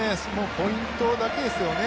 ポイントだけですよね。